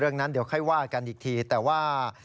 เรื่องนั้นเดี๋ยวให้ว่ากันอีกทีแต่ว่า